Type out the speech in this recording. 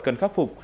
cần khắc phục